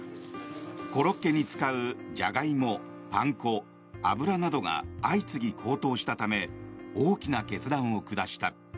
コロッケに使うジャガイモ、パン粉、油などが相次ぎ高騰したため大きな決断を下した。